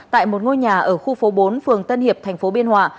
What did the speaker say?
tại một ngôi nhà ở khu phố bốn phường tân hiệp thành phố biên hòa